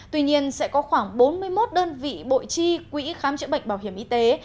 tuy nhiên sẽ có khoảng bốn mươi một đơn vị bộ chi quỹ khám chữa bệnh bảo hiểm y tế